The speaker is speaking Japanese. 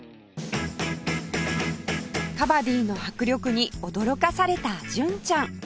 カバディの迫力に驚かされた純ちゃん